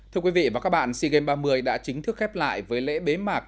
thưa quý vị và các bạn sea games ba mươi đã chính thức khép lại với lễ bế mạc